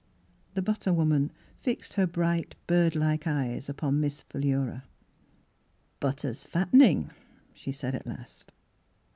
The butter woman fixed her bright, bird like eyes upon Miss Philura. " Butter's fattening," she said at last.